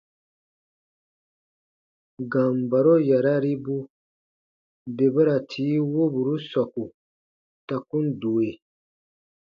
Gambaro yararibu bè ba ra tii woburu sɔku ta kun due.